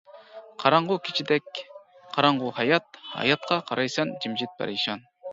قاراڭغۇ كېچىدەك قاراڭغۇ ھايات، ھاياتقا قارايسەن جىمجىت پەرىشان.